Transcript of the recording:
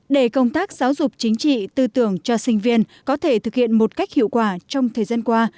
để công tác giáo dục chính trị tư tưởng cho sinh viên có thể thực hiện một cách hiệu quả trong thời gian qua